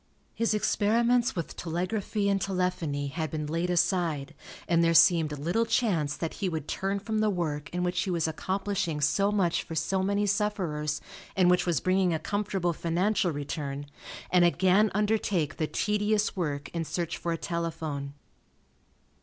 His experiments with telegraphy and telephony had been laid aside, and there seemed little chance that he would turn from the work in which he was accomplishing so much for so many sufferers, and which was bringing a comfortable financial return, and again undertake the tedious work in search for a telephone.